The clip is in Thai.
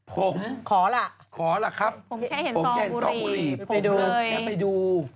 ผมขอล่ะครับผมแค่เห็นซองบุหรี่ไปดูแค่ไปดู